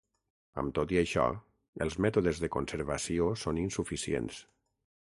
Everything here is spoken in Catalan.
Amb tot i això, els mètodes de conservació són insuficients.